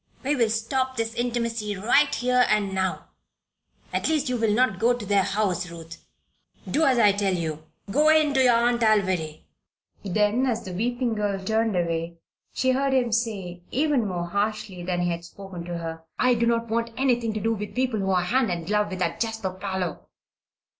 We will stop this intimacy right here and now. At least, you will not go to their house, Ruth. Do as I tell you go in to your Aunt Alviry." Then, as the weeping girl turned away, she heard him say, even more harshly than he had spoken to her: "I don't want anything to do with people who are hand and glove with that Jasper Parloe.